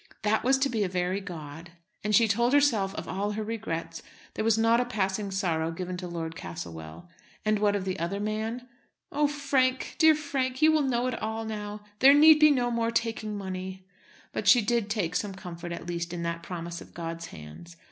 That was to be a very god! As she told herself of all her regrets, there was not a passing sorrow given to Lord Castlewell. And what of the other man? "Oh, Frank, dear Frank, you will know it all now. There need be no more taking money." But she did take some comfort at last in that promise of God's hands.